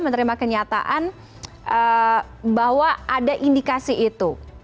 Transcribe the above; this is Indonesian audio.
menerima kenyataan bahwa ada indikasi itu